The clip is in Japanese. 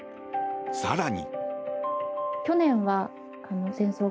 更に。